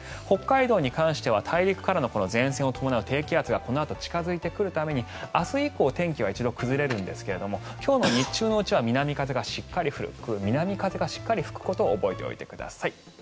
北海道に関しては大陸からの前線を伴う低気圧がこのあと近付いてくるために明日以降、天気は一度崩れるんですが今日の日中のうちは南風がしっかり吹くことを覚えておいてください。